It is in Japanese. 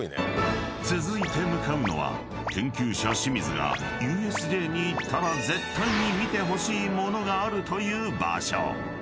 ［続いて向かうのは研究者清水がＵＳＪに行ったら絶対に見てほしいものがあるという場所］